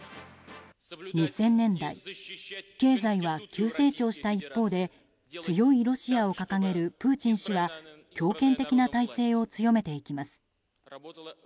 ２０００年代経済は急成長した一方で強いロシアを掲げるプーチン氏は強権的な体制を強めていきます。